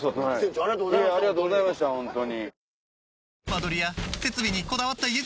ありがとうございましたホントに。